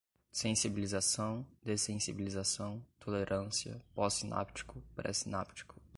sensibilização, dessensibilização, tolerância, pós-sináptico, pré-sináptico